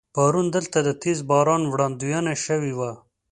پرون دلته د تیز باران وړاندوينه شوې وه.